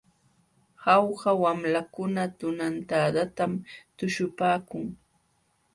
Jauja wamlakuna tunantadatam tuśhupaakun.